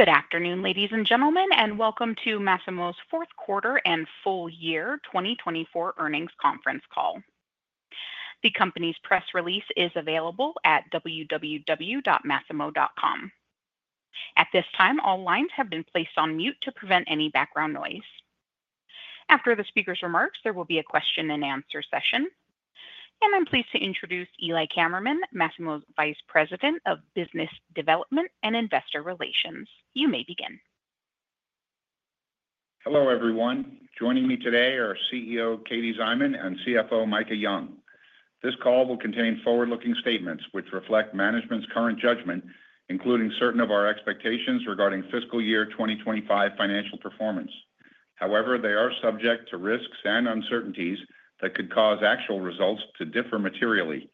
Good afternoon, ladies and gentlemen, and welcome to Masimo's Fourth Quarter and Full Year 2024 earnings conference call. The company's press release is available at www.masimo.com. At this time, all lines have been placed on mute to prevent any background noise. After the speaker's remarks, there will be a question-and-answer session, and I'm pleased to introduce Eli Kammerman, Masimo's Vice President of Business Development and Investor Relations. You may begin. Hello, everyone. Joining me today are CEO, Katie Szyman and CFO, Micah Young. This call will contain forward-looking statements which reflect management's current judgment, including certain of our expectations regarding fiscal year 2025 financial performance. However, they are subject to risks and uncertainties that could cause actual results to differ materially.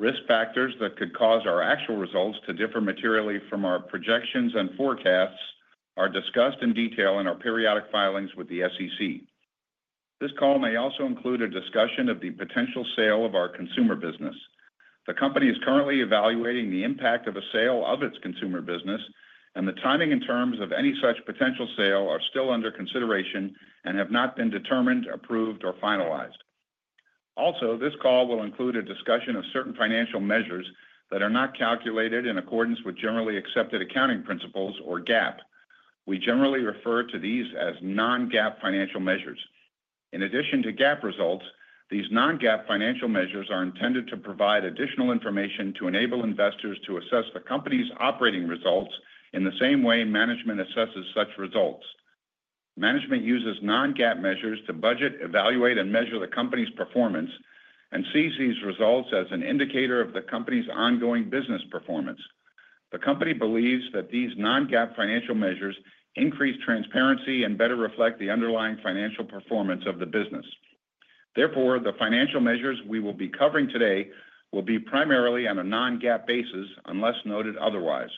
Risk factors that could cause our actual results to differ materially from our projections and forecasts are discussed in detail in our periodic filings with the SEC. This call may also include a discussion of the potential sale of our consumer business. The company is currently evaluating the impact of a sale of its consumer business, and the timing and terms of any such potential sale are still under consideration and have not been determined, approved, or finalized. Also, this call will include a discussion of certain financial measures that are not calculated in accordance with generally accepted accounting principles, or GAAP. We generally refer to these as non-GAAP financial measures. In addition to GAAP results, these non-GAAP financial measures are intended to provide additional information to enable investors to assess the company's operating results in the same way management assesses such results. Management uses non-GAAP measures to budget, evaluate, and measure the company's performance and sees these results as an indicator of the company's ongoing business performance. The company believes that these non-GAAP financial measures increase transparency and better reflect the underlying financial performance of the business. Therefore, the financial measures we will be covering today will be primarily on a non-GAAP basis unless noted otherwise.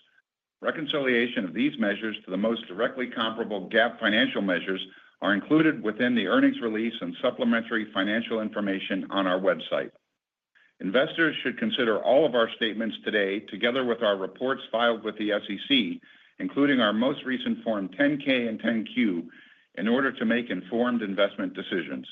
Reconciliation of these measures to the most directly comparable GAAP financial measures is included within the earnings release and supplementary financial information on our website. Investors should consider all of our statements today together with our reports filed with the SEC, including our most recent Form 10-K and 10-Q, in order to make informed investment decisions.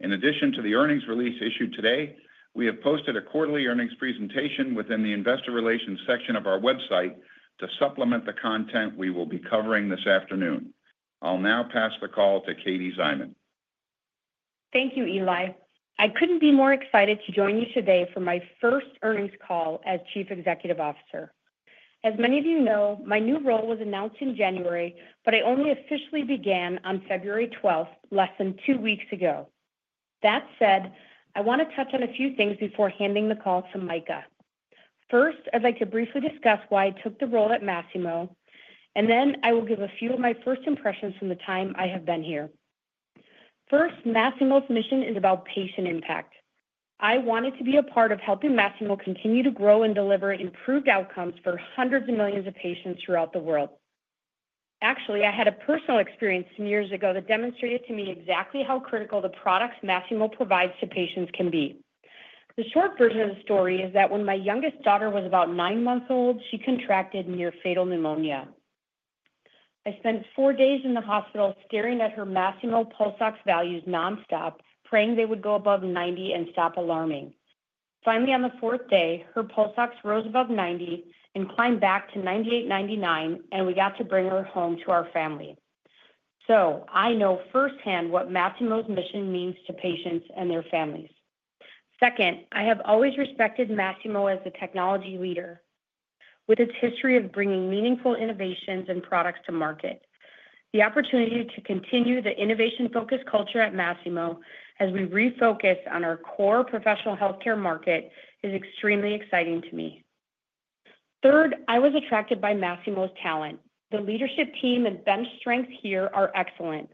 In addition to the earnings release issued today, we have posted a quarterly earnings presentation within the investor relations section of our website to supplement the content we will be covering this afternoon. I'll now pass the call to Katie Szyman. Thank you, Eli. I couldn't be more excited to join you today for my first earnings call as Chief Executive Officer. As many of you know, my new role was announced in January, but I only officially began on February 12, less than two weeks ago. That said, I want to touch on a few things before handing the call to Micah. First, I'd like to briefly discuss why I took the role at Masimo, and then I will give a few of my first impressions from the time I have been here. First, Masimo's mission is about patient impact. I wanted to be a part of helping Masimo continue to grow and deliver improved outcomes for hundreds of millions of patients throughout the world. Actually, I had a personal experience some years ago that demonstrated to me exactly how critical the products Masimo provides to patients can be. The short version of the story is that when my youngest daughter was about nine months old, she contracted near-fatal pneumonia. I spent four days in the hospital staring at her Masimo pulse ox values nonstop, praying they would go above 90 and stop alarming. Finally, on the fourth day, her pulse ox rose above 90 and climbed back to 98, 99, and we got to bring her home to our family. So I know firsthand what Masimo's mission means to patients and their families. Second, I have always respected Masimo as a technology leader with its history of bringing meaningful innovations and products to market. The opportunity to continue the innovation-focused culture at Masimo as we refocus on our core professional healthcare market is extremely exciting to me. Third, I was attracted by Masimo's talent. The leadership team and bench strength here are excellent.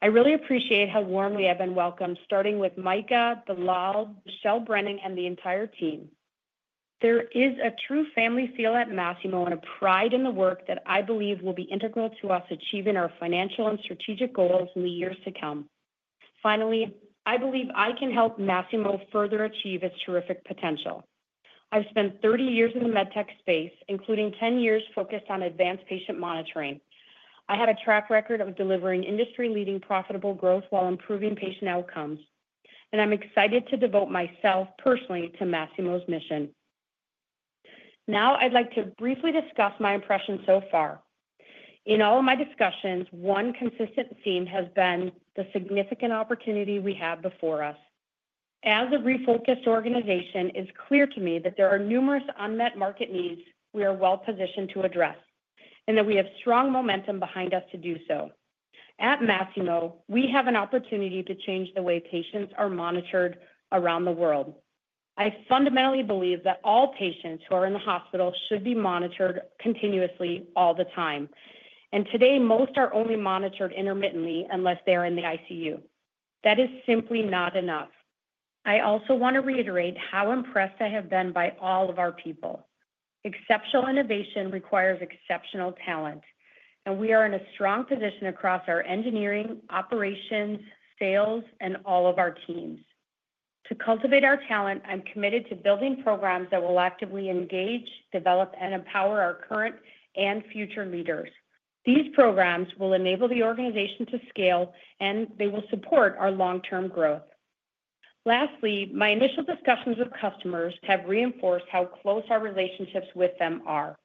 I really appreciate how warmly I've been welcomed, starting with Micah, Bilal, Michelle Brennan, and the entire team. There is a true family feel at Masimo and a pride in the work that I believe will be integral to us achieving our financial and strategic goals in the years to come. Finally, I believe I can help Masimo further achieve its terrific potential. I've spent 30 years in the med tech space, including 10 years focused on advanced patient monitoring. I have a track record of delivering industry-leading profitable growth while improving patient outcomes, and I'm excited to devote myself personally to Masimo's mission. Now, I'd like to briefly discuss my impressions so far. In all of my discussions, one consistent theme has been the significant opportunity we have before us. As a refocused organization, it is clear to me that there are numerous unmet market needs we are well-positioned to address and that we have strong momentum behind us to do so. At Masimo, we have an opportunity to change the way patients are monitored around the world. I fundamentally believe that all patients who are in the hospital should be monitored continuously all the time, and today, most are only monitored intermittently unless they are in the ICU. That is simply not enough. I also want to reiterate how impressed I have been by all of our people. Exceptional innovation requires exceptional talent, and we are in a strong position across our engineering, operations, sales, and all of our teams. To cultivate our talent, I'm committed to building programs that will actively engage, develop, and empower our current and future leaders. These programs will enable the organization to scale, and they will support our long-term growth. Lastly, my initial discussions with customers have reinforced how close our relationships with them are.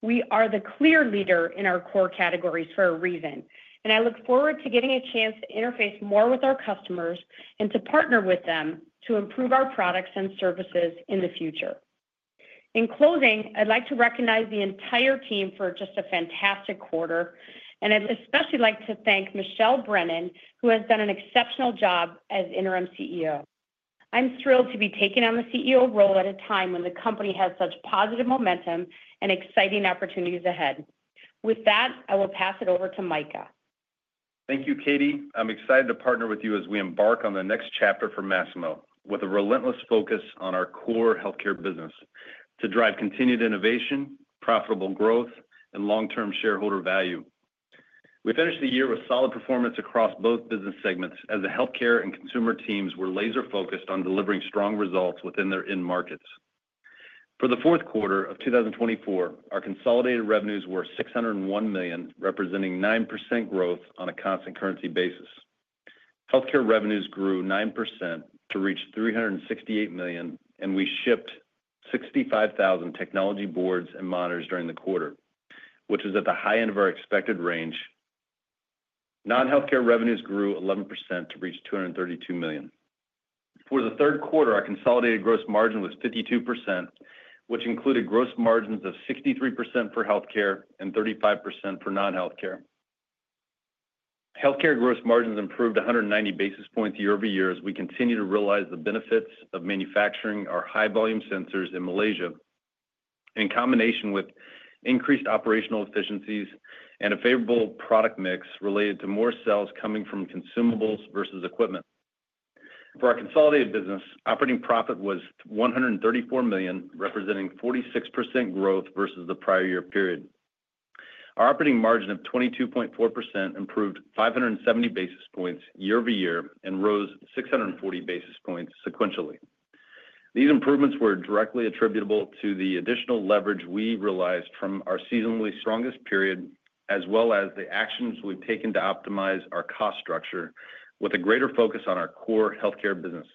We are the clear leader in our core categories for a reason, and I look forward to getting a chance to interface more with our customers and to partner with them to improve our products and services in the future. In closing, I'd like to recognize the entire team for just a fantastic quarter, and I'd especially like to thank Michelle Brennan, who has done an exceptional job as interim CEO. I'm thrilled to be taking on the CEO role at a time when the company has such positive momentum and exciting opportunities ahead. With that, I will pass it over to Micah. Thank you, Katie. I'm excited to partner with you as we embark on the next chapter for Masimo with a relentless focus on our core healthcare business to drive continued innovation, profitable growth, and long-term shareholder value. We finished the year with solid performance across both business segments as the healthcare and consumer teams were laser-focused on delivering strong results within their end markets. For the Q4 of 2024, our consolidated revenues were $601 million, representing 9% growth on a constant currency basis. Healthcare revenues grew 9% to reach $368 million, and we shipped 65,000 technology boards and monitors during the quarter, which was at the high end of our expected range. Non-healthcare revenues grew 11% to reach $232 million. For the Q3, our consolidated gross margin was 52%, which included gross margins of 63% for healthcare and 35% for non-healthcare. Healthcare gross margins improved 190 basis points year over year as we continue to realize the benefits of manufacturing our high-volume sensors in Malaysia, in combination with increased operational efficiencies and a favorable product mix related to more sales coming from consumables versus equipment. For our consolidated business, operating profit was $134 million, representing 46% growth versus the prior year period. Our operating margin of 22.4% improved 570 basis points year over year and rose 640 basis points sequentially. These improvements were directly attributable to the additional leverage we realized from our seasonally strongest period, as well as the actions we've taken to optimize our cost structure with a greater focus on our core healthcare business.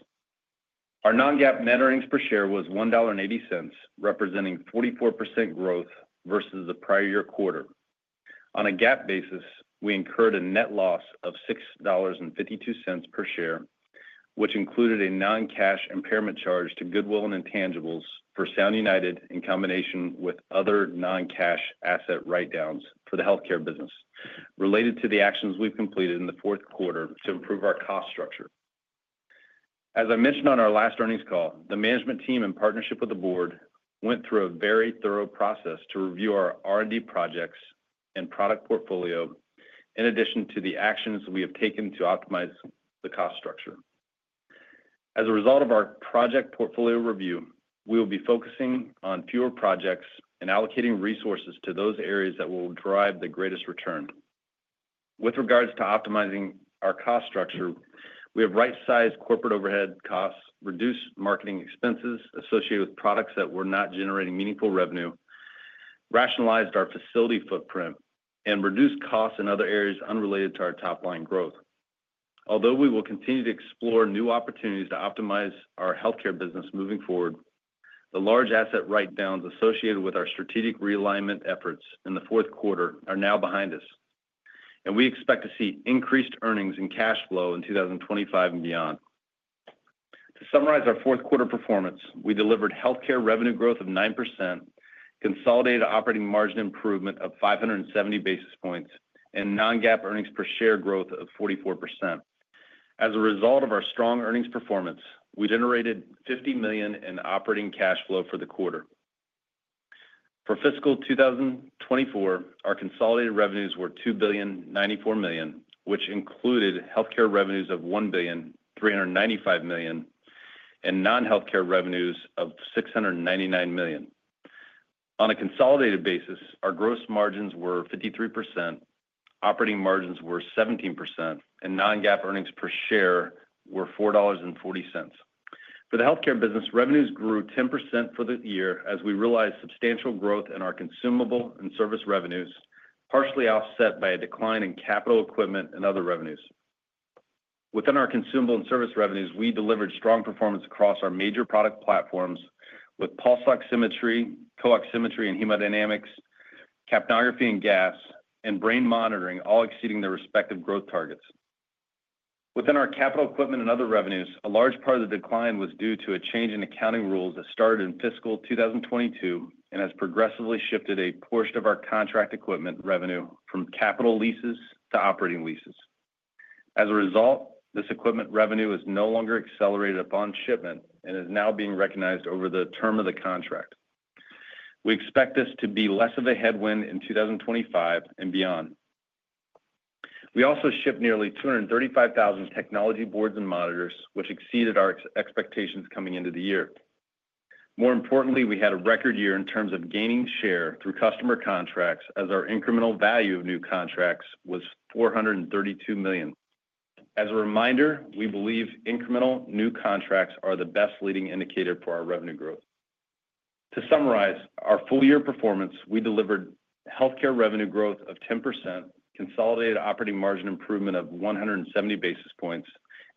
Our non-GAAP net earnings per share was $1.80, representing 44% growth versus the prior year quarter. On a GAAP basis, we incurred a net loss of $6.52 per share, which included a non-cash impairment charge to goodwill and intangibles for Sound United in combination with other non-cash asset write-downs for the healthcare business related to the actions we've completed in the Q4 to improve our cost structure. As I mentioned on our last earnings call, the management team in partnership with the board went through a very thorough process to review our R&D projects and product portfolio, in addition to the actions we have taken to optimize the cost structure. As a result of our project portfolio review, we will be focusing on fewer projects and allocating resources to those areas that will drive the greatest return. With regards to optimizing our cost structure, we have right-sized corporate overhead costs, reduced marketing expenses associated with products that were not generating meaningful revenue, rationalized our facility footprint, and reduced costs in other areas unrelated to our top-line growth. Although we will continue to explore new opportunities to optimize our healthcare business moving forward, the large asset write-downs associated with our strategic realignment efforts in the Q4 are now behind us, and we expect to see increased earnings and cash flow in 2025 and beyond. To summarize our Q4 performance, we delivered healthcare revenue growth of 9%, consolidated operating margin improvement of 570 basis points, and non-GAAP earnings per share growth of 44%. As a result of our strong earnings performance, we generated $50 million in operating cash flow for the quarter. For fiscal 2024, our consolidated revenues were $2,094 million, which included healthcare revenues of $1,395 million and non-healthcare revenues of $699 million. On a consolidated basis, our gross margins were 53%, operating margins were 17%, and non-GAAP earnings per share were $4.40. For the healthcare business, revenues grew 10% for the year as we realized substantial growth in our consumable and service revenues, partially offset by a decline in capital equipment and other revenues. Within our consumable and service revenues, we delivered strong performance across our major product platforms with pulse oximetry, co-oximetry, and hemodynamics, capnography and gas, and brain monitoring, all exceeding their respective growth targets. Within our capital equipment and other revenues, a large part of the decline was due to a change in accounting rules that started in fiscal 2022 and has progressively shifted a portion of our contract equipment revenue from capital leases to operating leases. As a result, this equipment revenue is no longer accelerated upon shipment and is now being recognized over the term of the contract. We expect this to be less of a headwind in 2025 and beyond. We also shipped nearly 235,000 technology boards and monitors, which exceeded our expectations coming into the year. More importantly, we had a record year in terms of gaining share through customer contracts as our incremental value of new contracts was $432 million. As a reminder, we believe incremental new contracts are the best leading indicator for our revenue growth. To summarize our full-year performance, we delivered healthcare revenue growth of 10%, consolidated operating margin improvement of 170 basis points,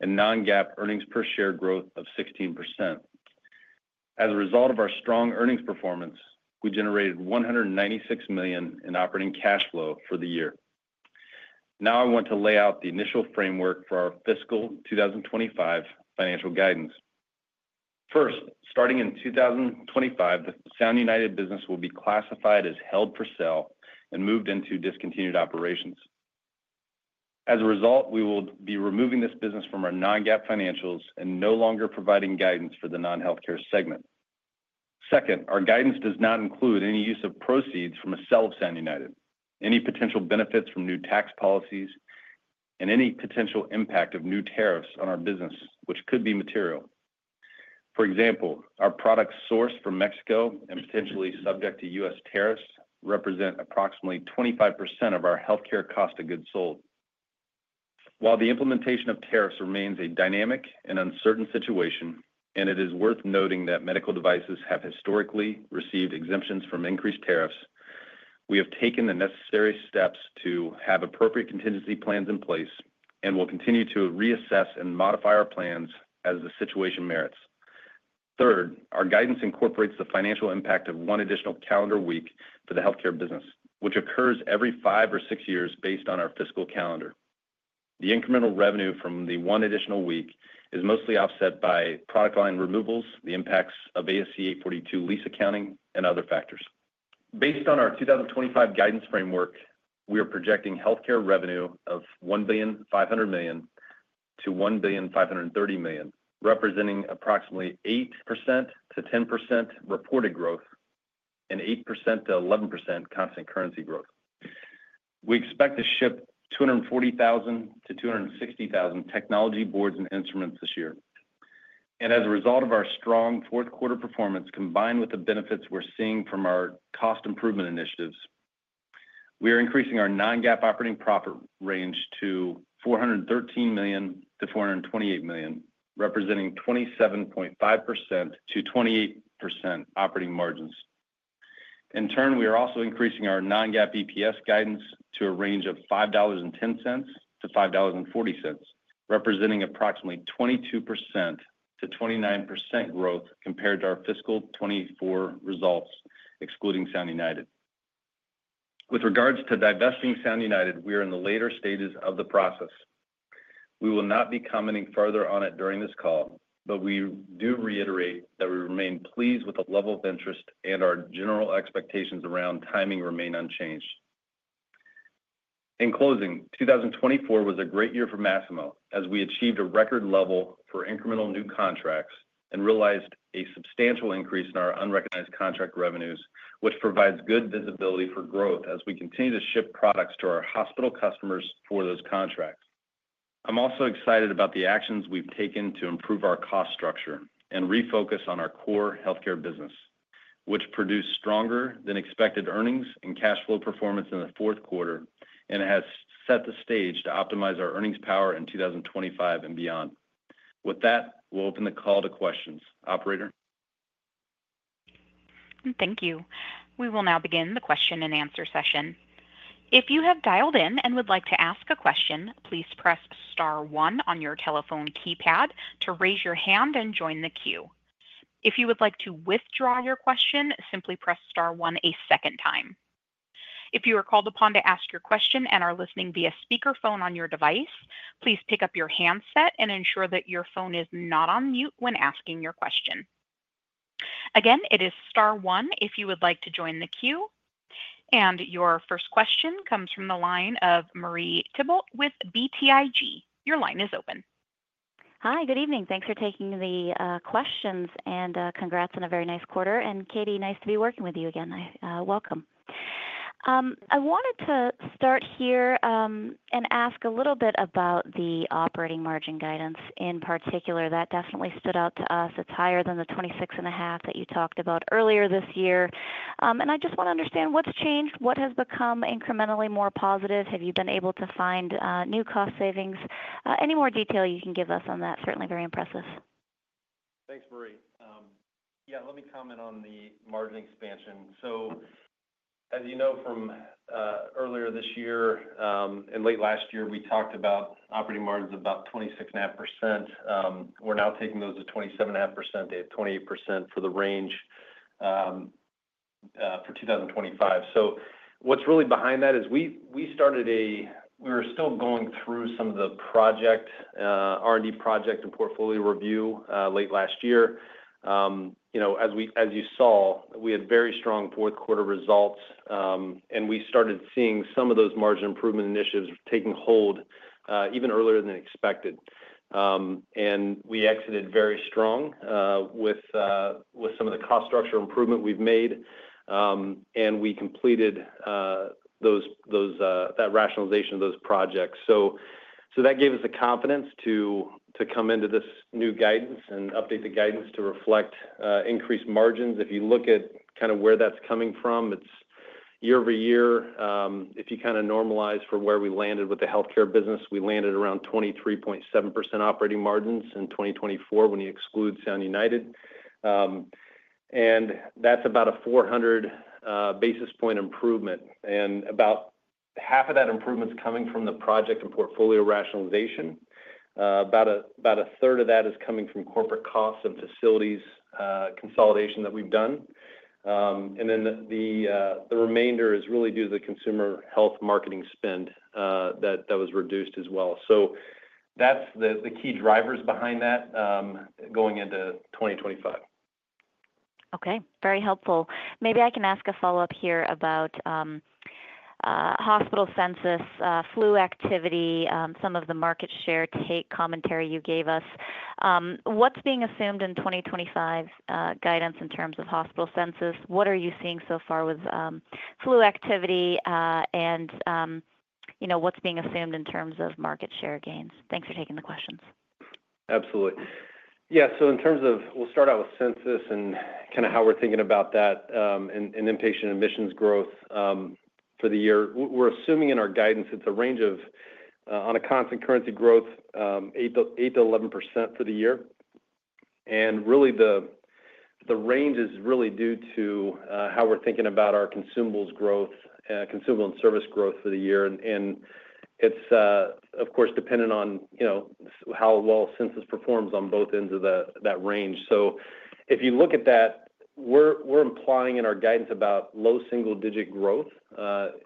and non-GAAP earnings per share growth of 16%. As a result of our strong earnings performance, we generated $196 million in operating cash flow for the year. Now, I want to lay out the initial framework for our fiscal 2025 financial guidance. First, starting in 2025, the Sound United business will be classified as held for sale and moved into discontinued operations. As a result, we will be removing this business from our non-GAAP financials and no longer providing guidance for the non-healthcare segment. Second, our guidance does not include any use of proceeds from a sale of Sound United, any potential benefits from new tax policies, and any potential impact of new tariffs on our business, which could be material. For example, our products sourced from Mexico and potentially subject to US tariffs represent approximately 25% of our healthcare cost of goods sold. While the implementation of tariffs remains a dynamic and uncertain situation, and it is worth noting that medical devices have historically received exemptions from increased tariffs, we have taken the necessary steps to have appropriate contingency plans in place and will continue to reassess and modify our plans as the situation merits. Third, our guidance incorporates the financial impact of one additional calendar week for the healthcare business, which occurs every five or six years based on our fiscal calendar. The incremental revenue from the one additional week is mostly offset by product line removals, the impacts of ASC 842 lease accounting, and other factors. Based on our 2025 guidance framework, we are projecting healthcare revenue of $1,500 million-$1,530 million, representing approximately 8%-10% reported growth and 8%-11% constant currency growth. We expect to ship 240,000-260,000 technology boards and instruments this year. As a result of our strong Q4 performance, combined with the benefits we're seeing from our cost improvement initiatives, we are increasing our non-GAAP operating profit range to $413 million-$428 million, representing 27.5%-28% operating margins. In turn, we are also increasing our non-GAAP EPS guidance to a range of $5.10-$5.40, representing approximately 22%-29% growth compared to our fiscal 2024 results, excluding Sound United. With regards to divesting Sound United, we are in the later stages of the process. We will not be commenting further on it during this call, but we do reiterate that we remain pleased with the level of interest and our general expectations around timing remain unchanged. In closing, 2024 was a great year for Masimo as we achieved a record level for incremental new contracts and realized a substantial increase in our unrecognized contract revenues, which provides good visibility for growth as we continue to ship products to our hospital customers for those contracts. I'm also excited about the actions we've taken to improve our cost structure and refocus on our core healthcare business, which produced stronger-than-expected earnings and cash flow performance in the Q4 and has set the stage to optimize our earnings power in 2025 and beyond. With that, we'll open the call to questions. Operator. Thank you. We will now begin the question-and-answer session. If you have dialed in and would like to ask a question, please press star one on your telephone keypad to raise your hand and join the queue. If you would like to withdraw your question, simply press star one a second time. If you are called upon to ask your question and are listening via speakerphone on your device, please pick up your handset and ensure that your phone is not on mute when asking your question. Again, it is star one if you would like to join the queue. And your first question comes from the line of Marie Thibault with BTIG. Your line is open. Hi, good evening. Thanks for taking the questions and congrats on a very nice quarter, and Katie, nice to be working with you again. Welcome. I wanted to start here and ask a little bit about the operating margin guidance in particular. That definitely stood out to us. It's higher than the 26.5% that you talked about earlier this year, and I just want to understand what's changed, what has become incrementally more positive. Have you been able to find new cost savings? Any more detail you can give us on that? Certainly very impressive. Thanks, Marie. Yeah, let me comment on the margin expansion. So, as you know from earlier this year and late last year, we talked about operating margins of about 26.5%. We're now taking those to 27.5%-28% for the range for 2025. So what's really behind that is we were still going through some of the R&D project and portfolio review late last year. As you saw, we had very strong Q4 results, and we started seeing some of those margin improvement initiatives taking hold even earlier than expected, and we exited very strong with some of the cost structure improvement we've made, and we completed that rationalization of those projects, so that gave us the confidence to come into this new guidance and update the guidance to reflect increased margins. If you look at kind of where that's coming from, it's year over year. If you kind of normalize for where we landed with the healthcare business, we landed around 23.7% operating margins in 2024 when you exclude Sound United. And that's about a 400 basis points improvement. And about half of that improvement is coming from the project and portfolio rationalization. About a third of that is coming from corporate costs and facilities consolidation that we've done. And then the remainder is really due to the consumer health marketing spend that was reduced as well. So that's the key drivers behind that going into 2025. Okay. Very helpful. Maybe I can ask a follow-up here about hospital census, flu activity, some of the market share take commentary you gave us. What's being assumed in 2025 guidance in terms of hospital census? What are you seeing so far with flu activity and what's being assumed in terms of market share gains? Thanks for taking the questions. Absolutely. Yeah. So in terms of, we'll start out with census and kind of how we're thinking about that and inpatient admissions growth for the year. We're assuming in our guidance it's a range of, on a constant currency growth, 8%-11% for the year. And really, the range is really due to how we're thinking about our consumables growth, consumable and service growth for the year. And it's, of course, dependent on how well census performs on both ends of that range. So if you look at that, we're implying in our guidance about low single-digit growth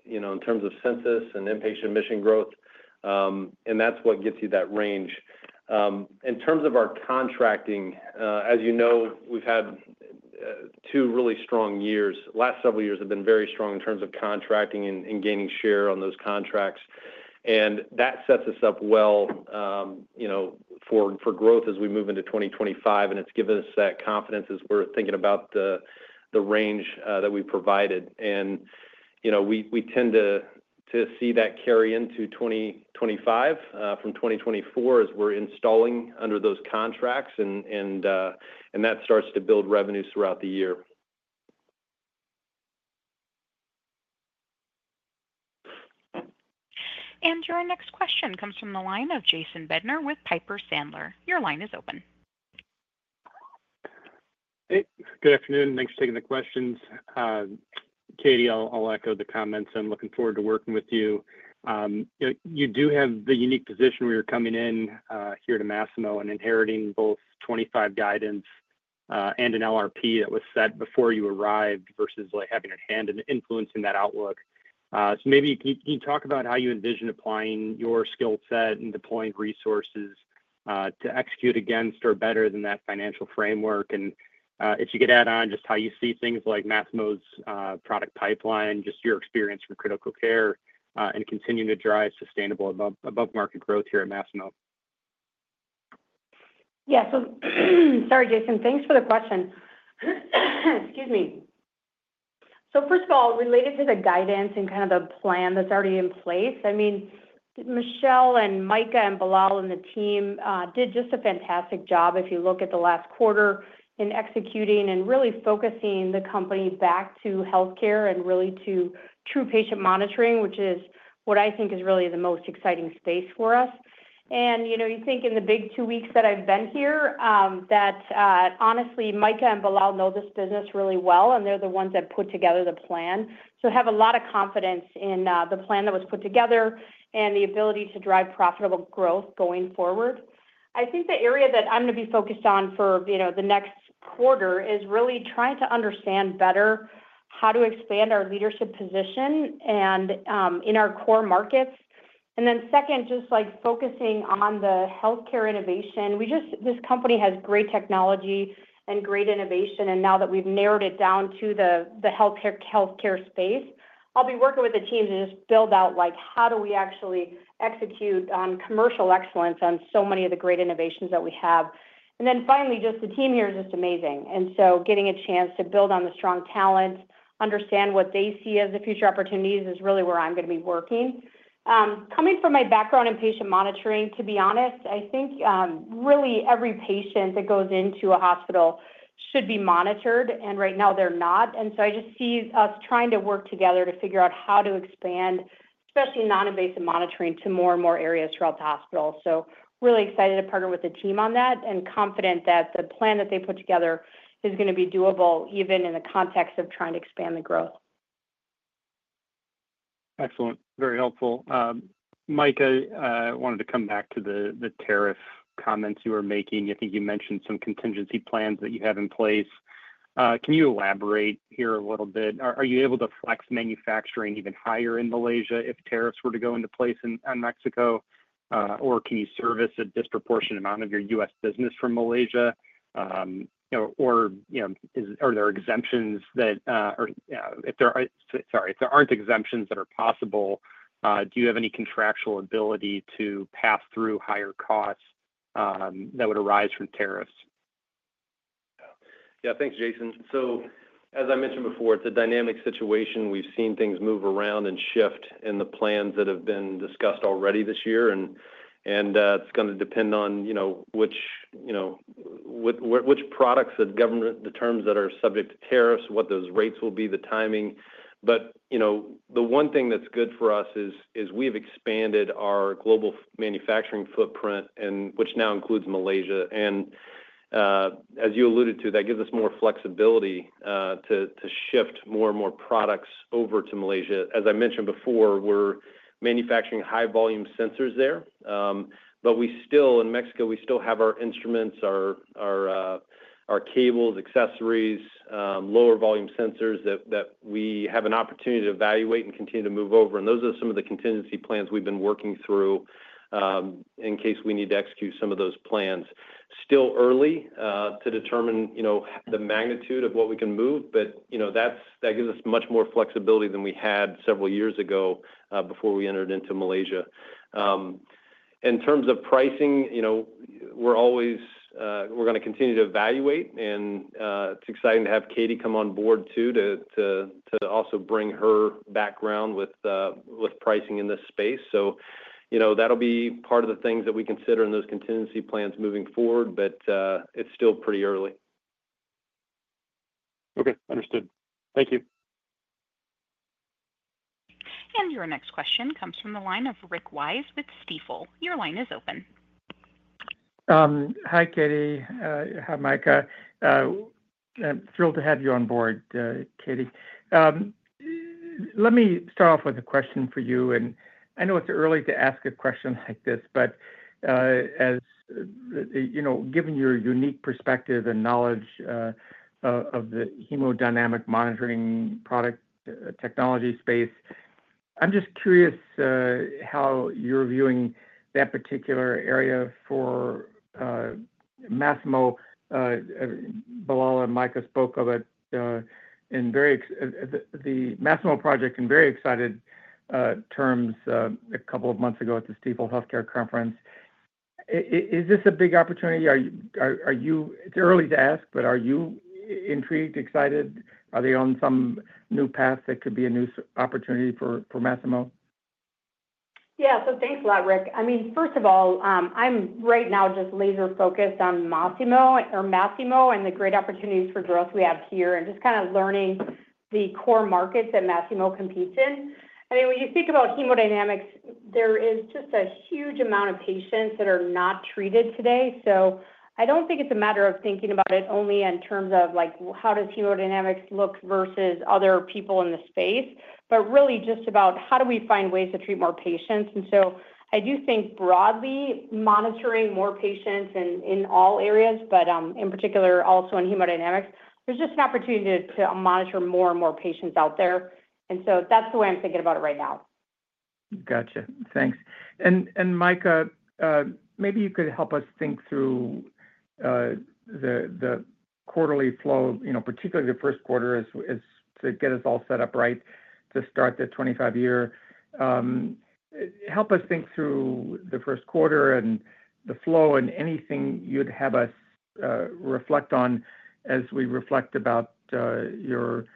in terms of census and inpatient admission growth. And that's what gets you that range. In terms of our contracting, as you know, we've had two really strong years. Last several years have been very strong in terms of contracting and gaining share on those contracts. And that sets us up well for growth as we move into 2025. And it's given us that confidence as we're thinking about the range that we provided. And we tend to see that carry into 2025 from 2024 as we're installing under those contracts. And that starts to build revenues throughout the year. Your next question comes from the line of Jason Bednar with Piper Sandler. Your line is open. Hey. Good afternoon. Thanks for taking the questions. Katie, I'll echo the comments. I'm looking forward to working with you. You do have the unique position where you're coming in here to Masimo and inheriting both 25 guidance and an LRP that was set before you arrived versus having it handed and influencing that outlook. So maybe can you talk about how you envision applying your skill set and deploying resources to execute against or better than that financial framework? And if you could add on just how you see things like Masimo's product pipeline, just your experience from critical care and continuing to drive sustainable above-market growth here at Masimo. Yeah. So sorry, Jason. Thanks for the question. Excuse me. So first of all, related to the guidance and kind of the plan that's already in place, I mean, Michelle and Micah and Bilal and the team did just a fantastic job if you look at the last quarter in executing and really focusing the company back to healthcare and really to true patient monitoring, which is what I think is really the most exciting space for us. And you think in the big two weeks that I've been here that honestly, Micah and Bilal know this business really well, and they're the ones that put together the plan. So have a lot of confidence in the plan that was put together and the ability to drive profitable growth going forward. I think the area that I'm going to be focused on for the next quarter is really trying to understand better how to expand our leadership position in our core markets, and then second, just focusing on the healthcare innovation. This company has great technology and great innovation, and now that we've narrowed it down to the healthcare space, I'll be working with the teams to just build out how do we actually execute on commercial excellence on so many of the great innovations that we have, and then finally, just the team here is just amazing, and so getting a chance to build on the strong talent, understand what they see as the future opportunities is really where I'm going to be working. Coming from my background in patient monitoring, to be honest, I think really every patient that goes into a hospital should be monitored. And right now, they're not. And so I just see us trying to work together to figure out how to expand, especially non-invasive monitoring, to more and more areas throughout the hospital. So really excited to partner with the team on that and confident that the plan that they put together is going to be doable even in the context of trying to expand the growth. Excellent. Very helpful. Micah, I wanted to come back to the tariff comments you were making. I think you mentioned some contingency plans that you have in place. Can you elaborate here a little bit? Are you able to flex manufacturing even higher in Malaysia if tariffs were to go into place in Mexico? Or can you service a disproportionate amount of your US business from Malaysia? Or are there exemptions that, or if there are, sorry, if there aren't exemptions that are possible, do you have any contractual ability to pass through higher costs that would arise from tariffs? Yeah. Thanks, Jason. So as I mentioned before, it's a dynamic situation. We've seen things move around and shift in the plans that have been discussed already this year, and it's going to depend on which products that government determines that are subject to tariffs, what those rates will be, the timing, but the one thing that's good for us is we have expanded our global manufacturing footprint, which now includes Malaysia, and as you alluded to, that gives us more flexibility to shift more and more products over to Malaysia. As I mentioned before, we're manufacturing high-volume sensors there, but in Mexico, we still have our instruments, our cables, accessories, lower-volume sensors that we have an opportunity to evaluate and continue to move over, and those are some of the contingency plans we've been working through in case we need to execute some of those plans. Still early to determine the magnitude of what we can move, but that gives us much more flexibility than we had several years ago before we entered into Malaysia. In terms of pricing, we're going to continue to evaluate. And it's exciting to have Katie come on board too to also bring her background with pricing in this space. So that'll be part of the things that we consider in those contingency plans moving forward, but it's still pretty early. Okay. Understood. Thank you. And your next question comes from the line of Rick Wise with Stifel. Your line is open. Hi, Katie. Hi, Micah. Thrilled to have you on board, Katie. Let me start off with a question for you. And I know it's early to ask a question like this, but given your unique perspective and knowledge of the hemodynamic monitoring product technology space, I'm just curious how you're viewing that particular area for Masimo. Bilal and Micah spoke of the Masimo project in very excited terms a couple of months ago at the Stifel Healthcare Conference. Is this a big opportunity? It's early to ask, but are you intrigued, excited? Are they on some new path that could be a new opportunity for Masimo? Yeah, so thanks a lot, Rick. I mean, first of all, I'm right now just laser-focused on Masimo and the great opportunities for growth we have here and just kind of learning the core markets that Masimo competes in. I mean, when you speak about hemodynamics, there is just a huge amount of patients that are not treated today. So I don't think it's a matter of thinking about it only in terms of how does hemodynamics look versus other people in the space, but really just about how do we find ways to treat more patients, and so I do think broadly monitoring more patients in all areas, but in particular also in hemodynamics, there's just an opportunity to monitor more and more patients out there, and so that's the way I'm thinking about it right now. Got you. Thanks. And Micah, maybe you could help us think through the quarterly flow, particularly theQ1, to get us all set up right to start the 2025 year. Help us think through theQ1 and the flow and anything you'd have us reflect on as we reflect about your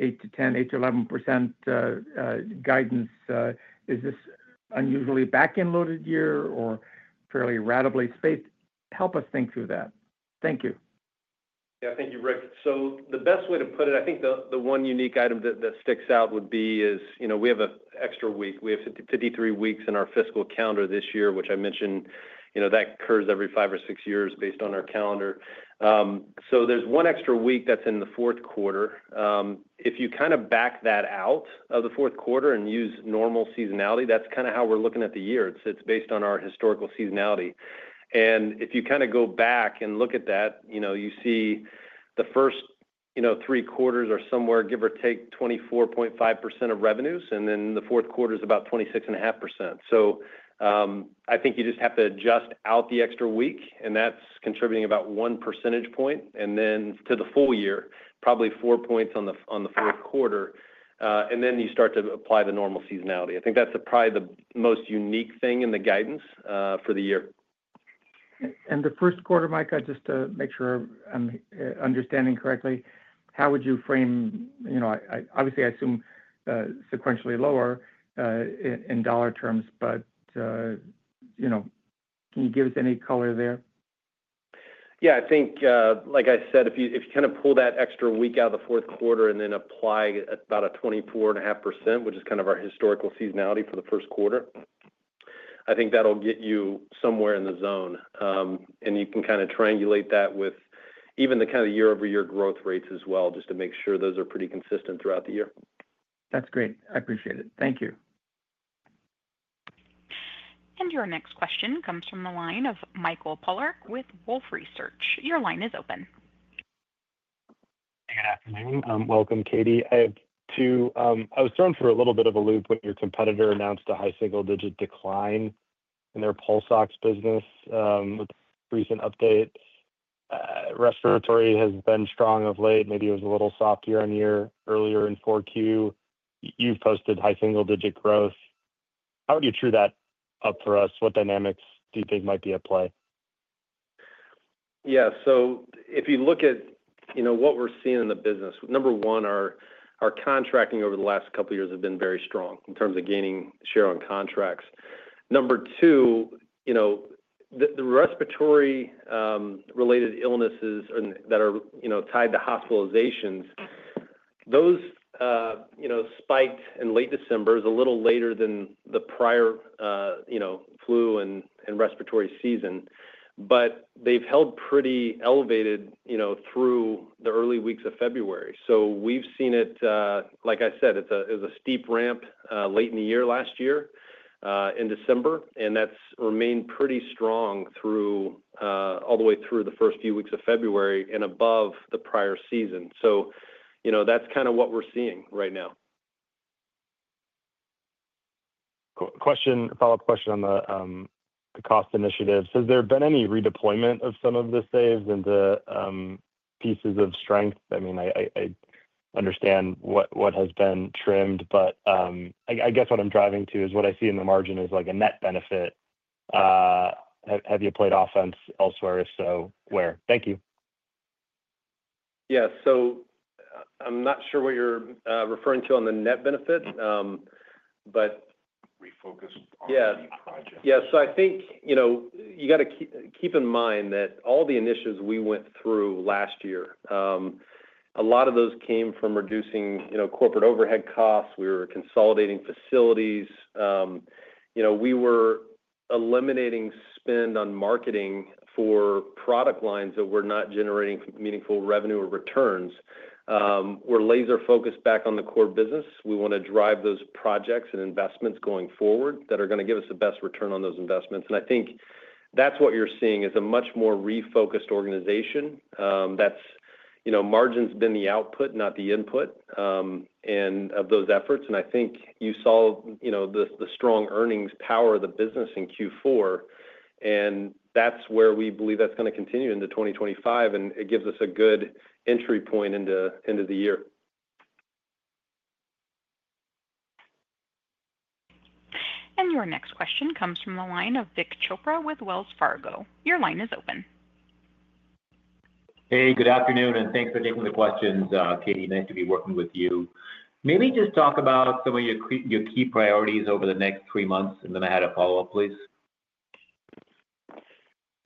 8%-10%, 8%-11% guidance. Is this unusually back-end loaded year or fairly evenly spaced? Help us think through that. Thank you. Yeah. Thank you, Rick. So the best way to put it, I think the one unique item that sticks out would be is we have an extra week. We have 53 weeks in our fiscal calendar this year, which I mentioned that occurs every five or six years based on our calendar. So there's one extra week that's in the Q4. If you kind of back that out of the Q4 and use normal seasonality, that's kind of how we're looking at the year. It's based on our historical seasonality. And if you kind of go back and look at that, you see the first three quarters are somewhere, give or take, 24.5% of revenues. And then the Q4 is about 26.5%. So I think you just have to adjust out the extra week, and that's contributing about one percentage point. And then to the full year, probably four points on the Q4. And then you start to apply the normal seasonality. I think that's probably the most unique thing in the guidance for the year. And the Q1, Micah, just to make sure I'm understanding correctly, how would you frame? Obviously, I assume sequentially lower in dollar terms, but can you give us any color there? Yeah. I think, like I said, if you kind of pull that extra week out of the Q4 and then apply about a 24.5%, which is kind of our historical seasonality for the Q1, I think that'll get you somewhere in the zone, and you can kind of triangulate that with even the kind of year-over-year growth rates as well just to make sure those are pretty consistent throughout the year. That's great. I appreciate it. Thank you. Your next question comes from the line of Michael Polark with Wolfe Research. Your line is open. Hey, good afternoon. Welcome, Katie. I was thrown for a little bit of a loop when your competitor announced a high single-digit decline in their Pulse Ox business with recent updates. Respiratory has been strong of late. Maybe it was a little softer year-over-year in 4Q. You've posted high single-digit growth. How would you true that up for us? What dynamics do you think might be at play? Yeah. So if you look at what we're seeing in the business, number one, our contracting over the last couple of years has been very strong in terms of gaining share on contracts. Number two, the respiratory-related illnesses that are tied to hospitalizations, those spiked in late December, a little later than the prior flu and respiratory season. But they've held pretty elevated through the early weeks of February. So we've seen it, like I said, it was a steep ramp late in the year last year in December, and that's remained pretty strong all the way through the first few weeks of February and above the prior season. So that's kind of what we're seeing right now. Question, follow-up question on the cost initiative. Has there been any redeployment of some of the saves and the pieces of strength? I mean, I understand what has been trimmed, but I guess what I'm driving to is what I see in the margin is a net benefit. Have you played offense elsewhere? If so, where? Thank you. Yeah. So I'm not sure what you're referring to on the net benefit, but. Refocus on the project. Yeah. Yeah, so I think you got to keep in mind that all the initiatives we went through last year, a lot of those came from reducing corporate overhead costs. We were consolidating facilities. We were eliminating spend on marketing for product lines that were not generating meaningful revenue or returns. We're laser-focused back on the core business. We want to drive those projects and investments going forward that are going to give us the best return on those investments, and I think that's what you're seeing is a much more refocused organization. Margin's been the output, not the input of those efforts, and I think you saw the strong earnings power of the business in Q4. That's where we believe that's going to continue into 2025, and it gives us a good entry point into the year. Your next question comes from the line of Vik Chopra with Wells Fargo. Your line is open. Hey, good afternoon, and thanks for taking the questions, Katie. Nice to be working with you. Maybe just talk about some of your key priorities over the next three months, and then I had a follow-up, please.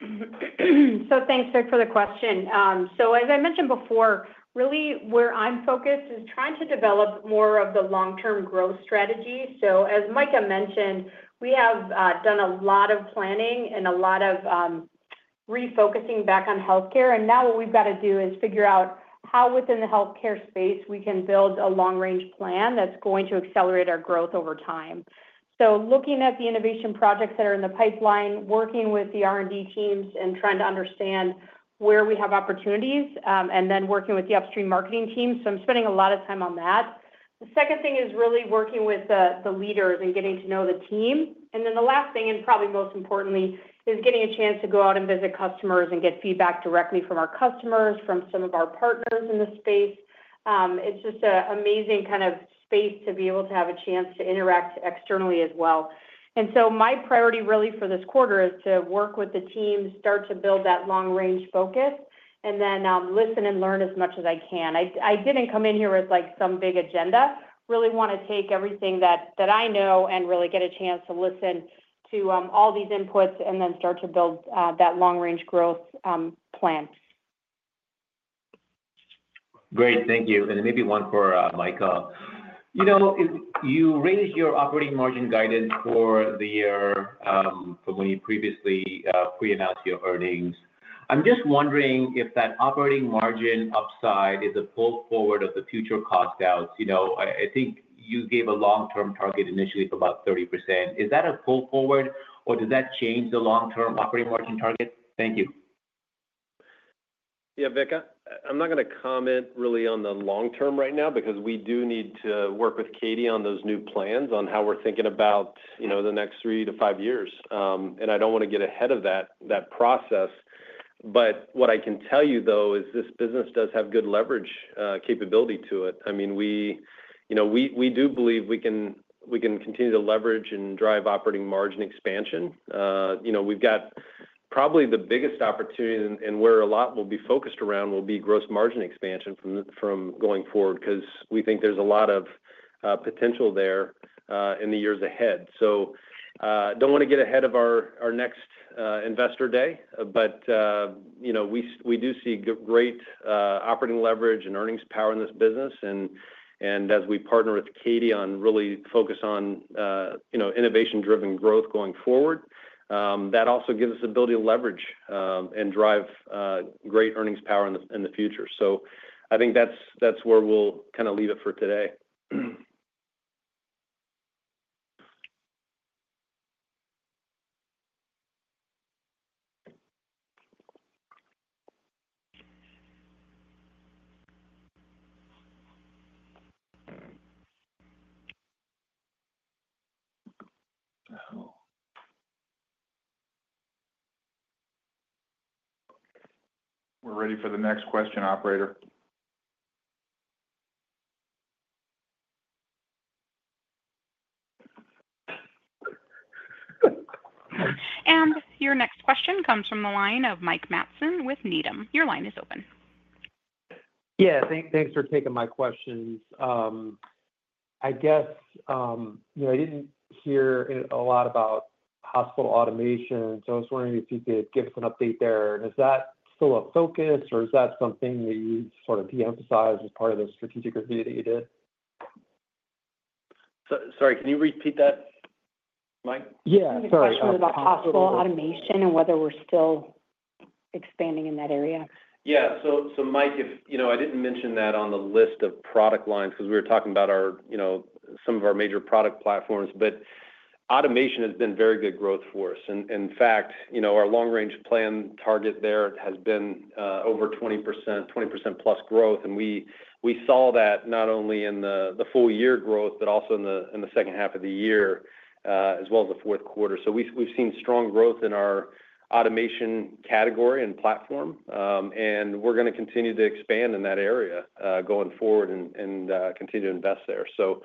Thanks, Rick, for the question. As I mentioned before, really where I'm focused is trying to develop more of the long-term growth strategy. As Micah mentioned, we have done a lot of planning and a lot of refocusing back on healthcare. Now what we've got to do is figure out how within the healthcare space we can build a long-range plan that's going to accelerate our growth over time. Looking at the innovation projects that are in the pipeline, working with the R&D teams and trying to understand where we have opportunities, and then working with the upstream marketing team. I'm spending a lot of time on that. The second thing is really working with the leaders and getting to know the team. And then the last thing, and probably most importantly, is getting a chance to go out and visit customers and get feedback directly from our customers, from some of our partners in the space. It's just an amazing kind of space to be able to have a chance to interact externally as well. And so my priority really for this quarter is to work with the team, start to build that long-range focus, and then listen and learn as much as I can. I didn't come in here with some big agenda. Really want to take everything that I know and really get a chance to listen to all these inputs and then start to build that long-range growth plan. Great. Thank you. And maybe one for Micah. You raised your operating margin guidance for the year from when you previously pre-announced your earnings. I'm just wondering if that operating margin upside is a pull forward of the future cost outs. I think you gave a long-term target initially for about 30%. Is that a pull forward, or does that change the long-term operating margin target? Thank you. Yeah, Vic. I'm not going to comment really on the long-term right now because we do need to work with Katie on those new plans on how we're thinking about the next three to five years. And I don't want to get ahead of that process. But what I can tell you, though, is this business does have good leverage capability to it. I mean, we do believe we can continue to leverage and drive operating margin expansion. We've got probably the biggest opportunity, and where a lot will be focused around will be gross margin expansion from going forward because we think there's a lot of potential there in the years ahead. So I don't want to get ahead of our next investor day, but we do see great operating leverage and earnings power in this business. And as we partner with Katie on really focus on innovation-driven growth going forward, that also gives us the ability to leverage and drive great earnings power in the future. So I think that's where we'll kind of leave it for today. We're ready for the next question, operator. Your next question comes from the line of Mike Matson with Needham. Your line is open. Yeah. Thanks for taking my questions. I guess I didn't hear a lot about Hospital Automation, so I was wondering if you could give us an update there, and is that still a focus, or is that something that you sort of de-emphasized as part of the strategic review that you did? Sorry. Can you repeat that, Mike? Yeah. Sorry. Hospital Automation and whether we're still expanding in that area? Yeah. So Mike, I didn't mention that on the list of product lines because we were talking about some of our major product platforms, but automation has been a very good growth force. In fact, our long-range plan target there has been over 20%, 20% plus growth. And we saw that not only in the full-year growth but also in the second half of the year as well as the Q4. So we've seen strong growth in our automation category and platform, and we're going to continue to expand in that area going forward and continue to invest there. So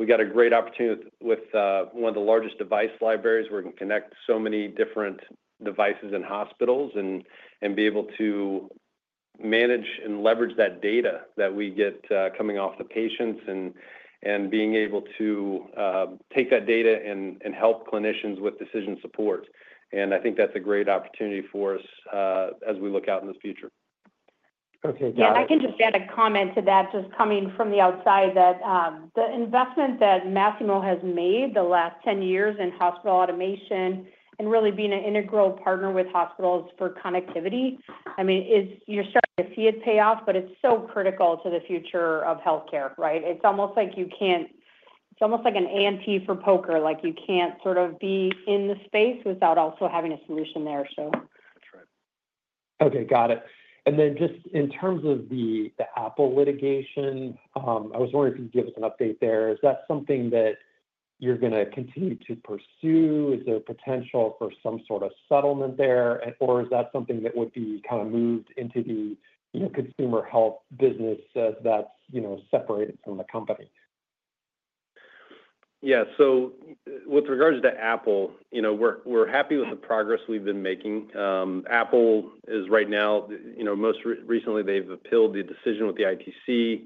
we got a great opportunity with one of the largest device libraries. We're going to connect so many different devices in hospitals and be able to manage and leverage that data that we get coming off the patients and being able to take that data and help clinicians with decision support, and I think that's a great opportunity for us as we look out in the future. Okay. Yeah. I can just add a comment to that just coming from the outside that the investment that Masimo has made the last 10 years in hospital automation and really being an integral partner with hospitals for connectivity, I mean, you're starting to see it pay off, but it's so critical to the future of healthcare, right? It's almost like you can't. It's almost like an ante for poker. You can't sort of be in the space without also having a solution there, so. That's right. Okay. Got it. And then just in terms of the Apple litigation, I was wondering if you could give us an update there. Is that something that you're going to continue to pursue? Is there potential for some sort of settlement there, or is that something that would be kind of moved into the consumer health business that's separated from the company? Yeah. So with regards to Apple, we're happy with the progress we've been making. Apple is right now, most recently, they've appealed the decision with the ITC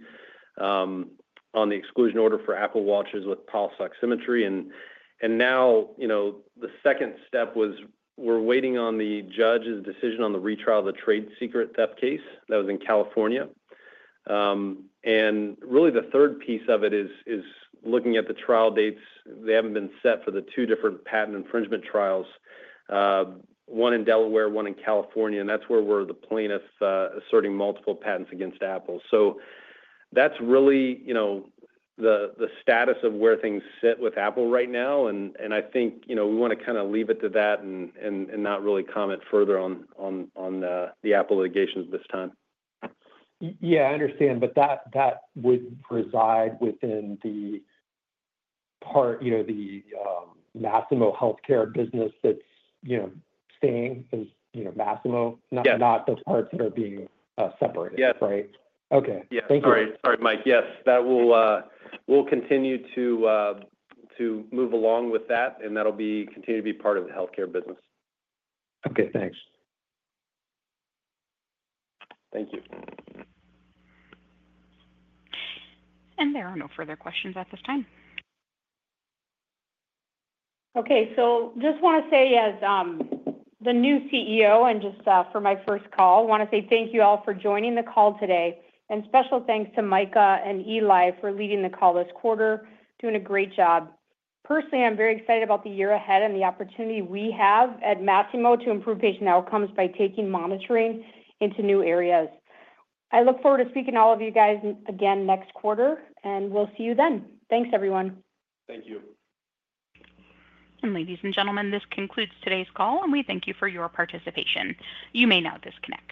on the exclusion order for Apple watches with Pulse Oximetry. And now the second step was we're waiting on the judge's decision on the retrial of the trade secret theft case that was in California. And really, the third piece of it is looking at the trial dates. They haven't been set for the two different patent infringement trials, one in Delaware, one in California. And that's where we're the plaintiffs asserting multiple patents against Apple. So that's really the status of where things sit with Apple right now. And I think we want to kind of leave it to that and not really comment further on the Apple litigations at this time. Yeah. I understand. But that would reside within the part, the Masimo healthcare business that's staying as Masimo, not the parts that are being separated, right? Yeah. Okay. Thank you. Yeah. Sorry, Mike. Yes. We'll continue to move along with that, and that'll continue to be part of the healthcare business. Okay. Thanks. Thank you. There are no further questions at this time. Okay. So just want to say, as the new CEO and just for my first call, I want to say thank you all for joining the call today. And special thanks to Micah and Eli for leading the call this quarter, doing a great job. Personally, I'm very excited about the year ahead and the opportunity we have at Masimo to improve patient outcomes by taking monitoring into new areas. I look forward to speaking to all of you guys again next quarter, and we'll see you then. Thanks, everyone. Thank you. Ladies and gentlemen, this concludes today's call, and we thank you for your participation. You may now disconnect.